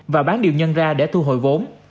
và bán điều nhân ra để thu hồi vốn